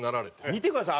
見てください